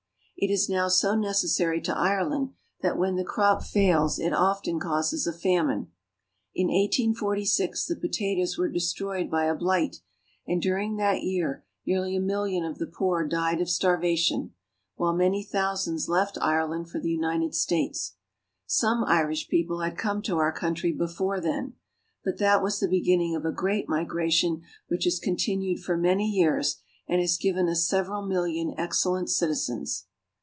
It is now so necessary to Ireland that when the crop fails it often causes a famine. In 1846 the potatoes were destroyed by a blight, and during that year nearly a million of the poor died of starvation, while many thousands left Ireland for the United States. Some Irish people had come to our country before then, but that was the beginning of a great migration which has continued for many years and has given us several million excellent citizens.